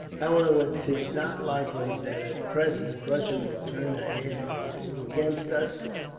"However, 'tis not likely that, at present, Prussia will turn her hand against us.